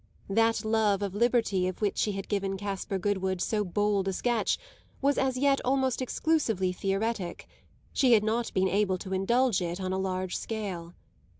That love of liberty of which she had given Caspar Goodwood so bold a sketch was as yet almost exclusively theoretic; she had not been able to indulge it on a large scale.